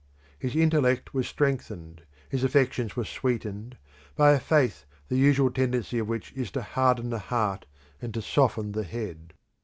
His intellect was strengthened, his affections were sweetened, by a faith the usual tendency of which is to harden the heart and to soften the head.